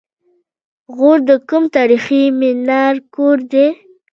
غور د کوم تاریخي منار کور دی؟